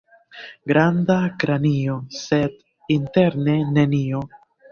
Granda kranio, sed interne nenio.